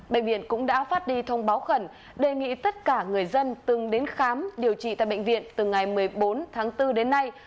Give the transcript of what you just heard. bệnh viện cũng đã phát đi thông báo khẩn đề nghị tất cả người dân từng đến khám điều trị tại bệnh viện từ ngày một mươi bốn tháng bốn đến nay